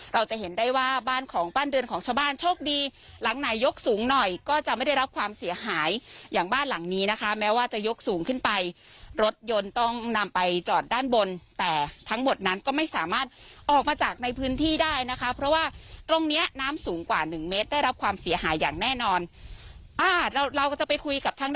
เราจะเห็นได้ว่าบ้านของบ้านเรือนของชาวบ้านโชคดีหลังไหนยกสูงหน่อยก็จะไม่ได้รับความเสียหายอย่างบ้านหลังนี้นะคะแม้ว่าจะยกสูงขึ้นไปรถยนต์ต้องนำไปจอดด้านบนแต่ทั้งหมดนั้นก็ไม่สามารถออกมาจากในพื้นที่ได้นะคะเพราะว่าตรงเนี้ยน้ำสูงกว่าหนึ่งเมตรได้รับความเสียหายอย่างแน่นอนอ่าเราเราก็จะไปคุยกับทั้ง